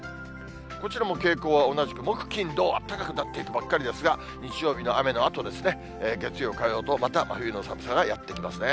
こちらも傾向は同じく、木、金、土、暖かくなっていくばっかりですが、日曜日の雨のあと、月曜、火曜とまた真冬の寒さがやって来ますね。